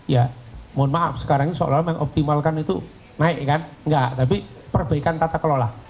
jadi itu mbak ya jadi mohon optimal itu ya mohon maaf sekarang ini soalnya menoptimalkan itu naik kan enggak tapi perbaikan tata kelola